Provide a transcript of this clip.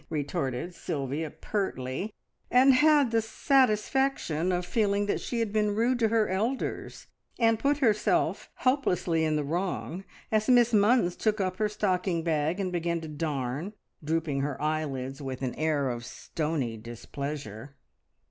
retorted Sylvia pertly, and had the satisfaction of feeling that she had been rude to her elders, and put herself hopelessly in the wrong, as Miss Munns took up her stocking bag and began to darn, drooping her eyelids with an air of stony displeasure.